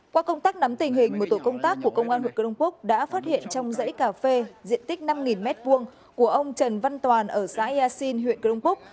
qua công tác nắm tình hình một tổ công tác của công an huyện cửa đông bức đã phát hiện trong dãy cà phê diện tích năm m hai của ông trần văn toàn ở xã yà sinh huyện cửa đông bức